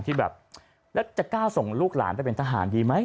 ที่แบบแล้วจะกล้าส่งลูกหลานไปเป็นทหารดีไหม